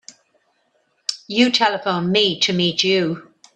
You telephoned me to meet you.